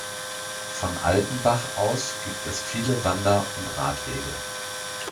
Von Altenbach aus gibt es viele Wander- und Radwege.